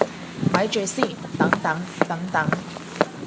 咪住先，等等等等